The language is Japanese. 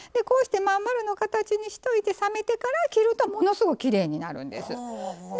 こうして真ん丸の形にしといて冷めてから切るとものすごうきれいになるんです。